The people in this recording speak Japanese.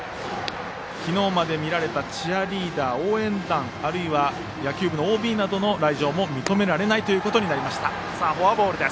昨日まで見られたチアリーダー応援団、あるいは野球部のＯＢなどの来場も認められないということになりました。